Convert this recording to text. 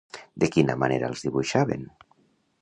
De quina manera els dibuixaven?